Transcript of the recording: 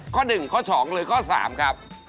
ข้อหนึ่งข้อสองหรือข้อสามครับ